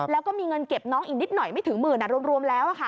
แล้วก็มีเงินเก็บน้องอีกนิดหน่อยไม่ถึงหมื่นรวมแล้ว